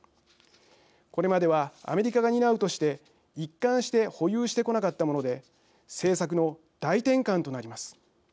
これまではアメリカが担うとして一貫して保有してこなかったもので政策の大転換となります。